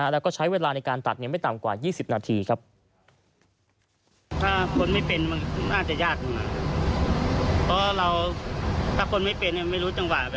แล้วก็ใช้เวลาในการตัดไม่ต่ำกว่า๒๐นาทีครับ